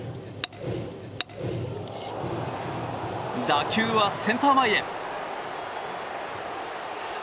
打球はセンター前へ。